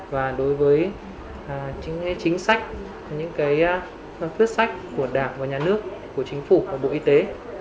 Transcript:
và đối với chính sách những phước sách của đảng và nhà nước của chính phủ và bộ y tế